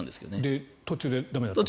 で、途中で駄目だった？